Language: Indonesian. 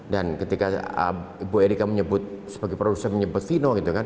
dan ketika ibu erika sebagai produser menyebut vino